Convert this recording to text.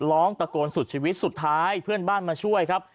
ร้องตะโกนสุดชีวิตสุดท้ายเพื่อนบ้านมาช่วยครับ